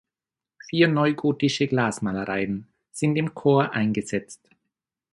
Vier neugotische Glasmalereien sind im Chor eingesetzt.